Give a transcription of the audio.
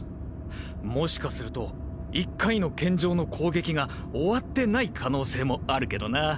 もしかすると１回の健丈の攻撃が終わってない可能性もあるけどな！